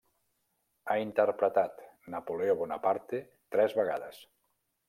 Ha interpretat Napoleó Bonaparte tres vegades.